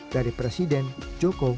dari presiden joko